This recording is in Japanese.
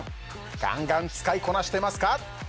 ガンガン使いこなしてますか？